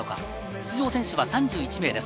出場選手は３１名です。